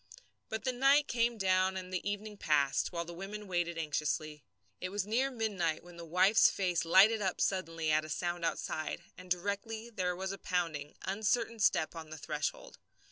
But the night came down and the evening passed, while the women waited anxiously. It was near midnight when the wife's face lighted up suddenly at a sound outside, and directly there was a pounding, uncertain step on the threshold.